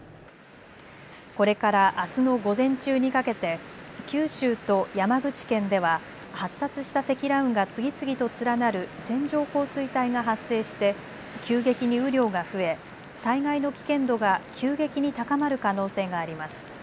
これからあすの午前中にかけて九州と山口県では発達した積乱雲が次々と連なる線状降水帯が発生して急激に雨量が増え災害の危険度が急激に高まる可能性があります。